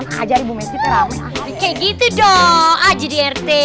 kayak gitu dong aja di rt